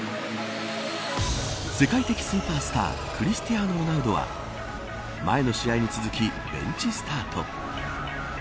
世界的スーパースタークリスティアーノ・ロナウドは前の試合に続きベンチスタート。